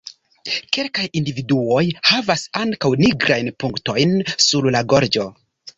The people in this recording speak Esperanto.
Kelkaj individuoj havas ankaŭ nigrajn punktojn sur la gorĝo.